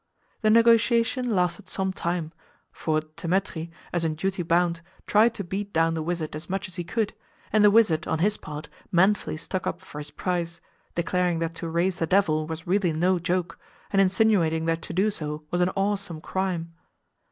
The negotiation lasted some time, for Dthemetri, as in duty bound, tried to beat down the wizard as much as he could, and the wizard, on his part, manfully stuck up for his price, declaring that to raise the devil was really no joke, and insinuating that to do so was an awesome crime.